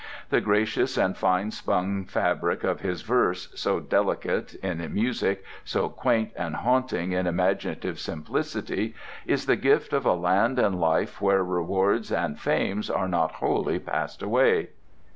The gracious and fine spun fabric of his verse, so delicate in music, so quaint and haunting in imaginative simplicity, is the gift of a land and life where rewards and fames are not wholly passed away.